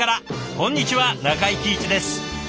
こんにちは中井貴一です。